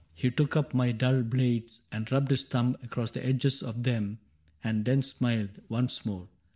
He took up my dull blades and rubbed his thumb Across the edges of them and then smiled Once more.